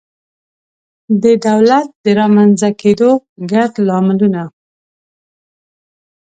د دولت د رامنځته کېدو ګڼ لاملونه